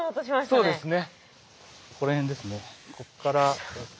そうですね。